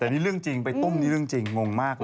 แต่นี่เรื่องจริงไปตุ้มนี่เรื่องจริงงงมากเลย